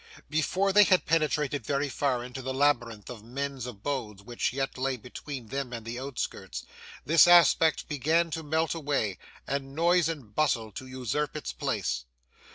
Before they had penetrated very far into the labyrinth of men's abodes which yet lay between them and the outskirts, this aspect began to melt away, and noise and bustle to usurp its place.